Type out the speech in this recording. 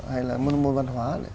hay là môn văn hóa